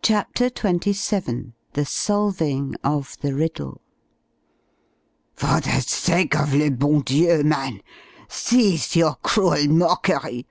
CHAPTER XXVII THE SOLVING OF THE RIDDLE "For the sake of le bon dieu, man, cease your cruel mockery!"